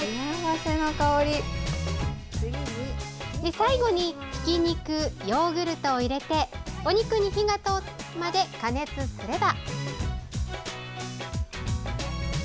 最後にひき肉、ヨーグルトを入れてお肉に火が通るまで加熱すれば。